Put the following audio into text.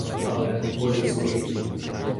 Але по-людськи.